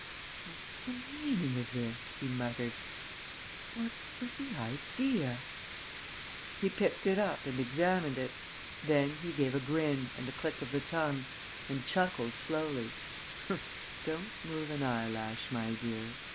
"What's the meaning of this?" he muttered. "What was the idea?..." He picked it up examined it. Then he gave a grin and a click of the tongue and chuckled, slowly: "Don't move an eyelash, my dear.